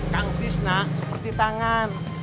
kang fisna seperti tangan